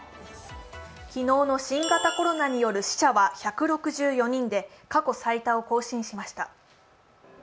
昨日の新型コロナによる死者は１６４人で過去最多を更新しました。